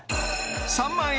３万円